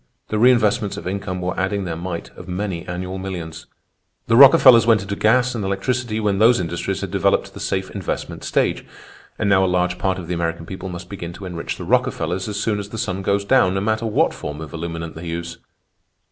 The reinvestments of income were adding their mite of many annual millions. "The Rockefellers went into gas and electricity when those industries had developed to the safe investment stage. And now a large part of the American people must begin to enrich the Rockefellers as soon as the sun goes down, no matter what form of illuminant they use.